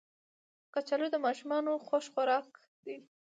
کچالو د ماشومانو خوښ خوراک دی